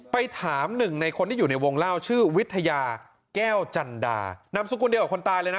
ไปถามหนึ่งในคนที่อยู่ในวงเล่าชื่อวิทยาแก้วจันดานามสกุลเดียวกับคนตายเลยนะ